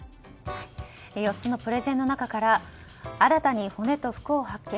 ４つのプレゼンの中から新たに骨と服を発見